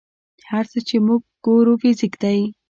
هر څه چې موږ ګورو فزیک دی.